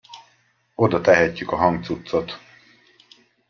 Oda tehetjük a hangcuccot.